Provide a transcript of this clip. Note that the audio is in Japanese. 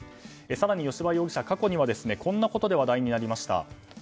更に吉羽容疑者、過去にはこんなことで話題になりました。